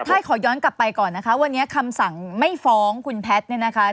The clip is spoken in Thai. ใช่ขอย้อนกลับไปก่อนนะคะวันนี้คำสั่งไม่ฟ้องคุณแพทย์เนี่ยนะคะ